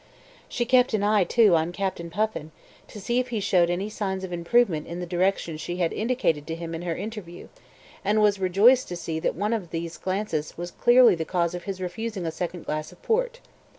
She kept an eye, too, on Captain Puffin, to see if he showed any signs of improvement in the direction she had indicated to him in her interview, and was rejoiced to see that one of these glances was clearly the cause of his refusing a second glass of port.